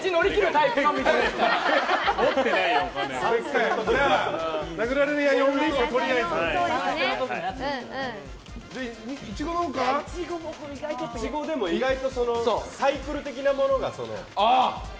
イチゴはでも、意外とサイクル的なものが。